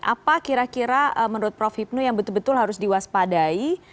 apa kira kira menurut prof hipnu yang betul betul harus diwaspadai